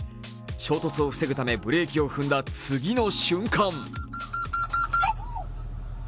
衝突を防ぐため、ブレーキを踏んだ次の瞬間。